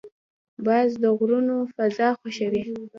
باز د غرونو فضا خوښوي